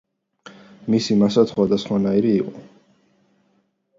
მისი მასა სხვადასხვანაირი იყო.